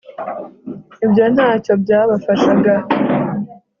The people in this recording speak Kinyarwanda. ibyo ntacyo byabafashaga